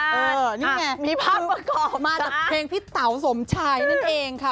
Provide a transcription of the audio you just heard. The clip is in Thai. นี่ไงมีภาพประกอบมาจากเพลงพี่เต๋าสมชัยนั่นเองค่ะ